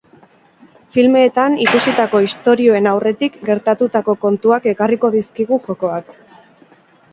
Filmeetan ikusitako istorioen aurretik gertatutako kontuak ekarriko dizkigu jokoak.